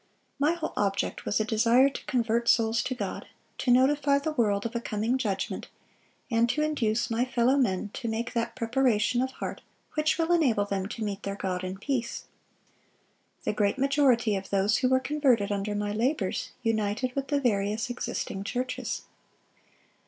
My whole object was a desire to convert souls to God, to notify the world of a coming judgment, and to induce my fellow men to make that preparation of heart which will enable them to meet their God in peace. The great majority of those who were converted under my labors united with the various existing churches."